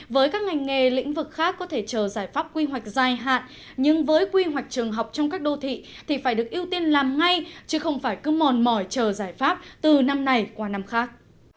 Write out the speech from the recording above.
với các ngành nghề lĩnh vực khác có thể chờ giải pháp quy hoạch dài hạn nhưng với quy hoạch trường học trong các đô thị thì phải được ưu tiên làm ngay chứ không phải cứ mòn mỏi chờ giải pháp từ năm này qua năm khác